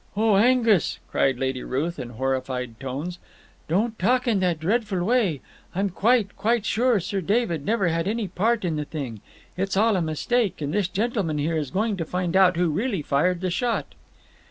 "Oh, Angus," cried Lady Ruth, in horrified tones, "don't talk in that dreadful way. I'm quite, quite sure Sir David never had any part in the thing. It's all a mistake, and this gentleman here is going to find out who really fired the shot."